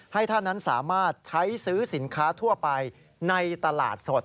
ให้ท่านนั้นสามารถใช้ซื้อสินค้าทั่วไปในตลาดสด